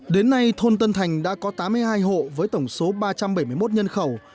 đến nay thôn tân thành đã có tám mươi hai hộ với tổng số ba trăm bảy mươi một nhân khẩu